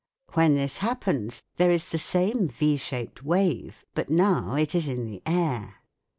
When this happens there is the same V shaped wave, but now it is in the air.